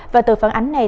và từ phản ánh này